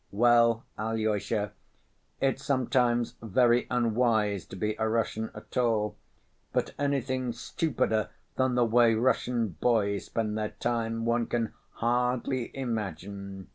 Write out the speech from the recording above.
"Well, Alyosha, it's sometimes very unwise to be a Russian at all, but anything stupider than the way Russian boys spend their time one can hardly imagine.